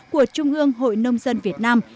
của trung ương hội nông dân việt nam